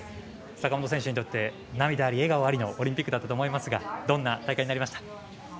坂本選手にとって涙あり、笑顔ありのオリンピックだったと思いますがどんな大会になりました？